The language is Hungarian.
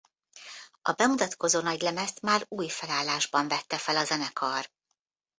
A bemutatkozó nagylemezt már új felállásban vette fel a zenekar.